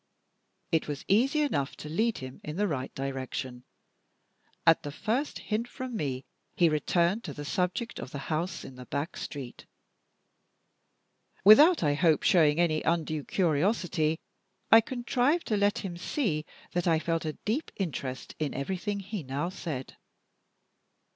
It was easy enough to lead him in the right direction. At the first hint from me, he returned to the subject of the house in the back street. Without, I hope, showing any undue curiosity, I contrived to let him see that I felt a deep interest in everything he now said.